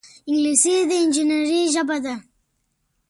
انګلیسي د انجینرۍ ژبه ده